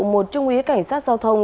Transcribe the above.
một trung ý cảnh sát giao thông